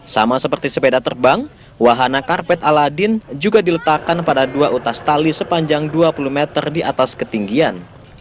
sama seperti sepeda terbang wahana karpet aladin juga diletakkan pada dua utas tali sepanjang dua puluh meter di atas ketinggian